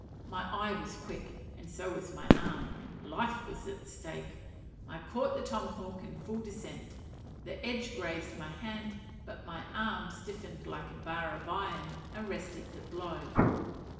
My eye was quick, and so was my arm: life was at stake. I caught the tomahawk in full descent: the edge grazed my hand; but my arm, stiffened like a bar of iron, arrested the blow.